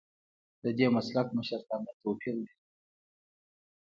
ددې مسلک مشرتابه توپیر لري.